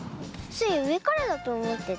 スイうえからだとおもってた。